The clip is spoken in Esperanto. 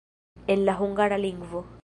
En la hungara lingvo.